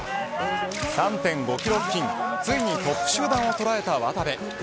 ３．５キロ付近ついにトップ集団を捉えた渡部。